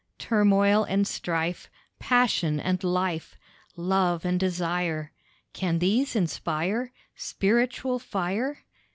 Turmoil and strife, Passion and life, Love and desire, Can these inspire Spiritual fire?